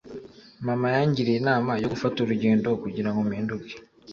Mama yangiriye inama yo gufata urugendo kugirango mpinduke.